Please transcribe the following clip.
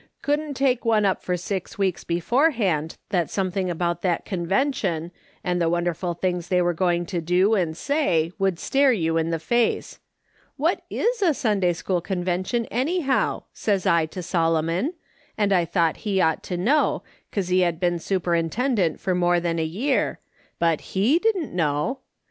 Couldn't take one up for six weeks beforehand that something about that Con vention, and the wonderful things they were going to do and say, would stare you in the face. ' What is a Sunday school Convention, anyhow ?' says I to Solomon, and I thought he ought to know, 'cause he had been superintendent for more than a year, but A« didn't know.